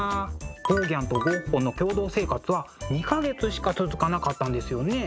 ゴーギャンとゴッホの共同生活は２か月しか続かなかったんですよね。